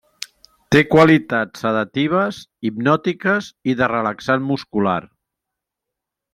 Té qualitats sedatives, hipnòtiques i de relaxant muscular.